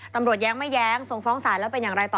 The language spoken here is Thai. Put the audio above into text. แย้งไม่แย้งส่งฟ้องศาลแล้วเป็นอย่างไรต่อ